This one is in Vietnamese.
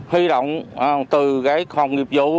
huy động từ phòng nghiệp vụ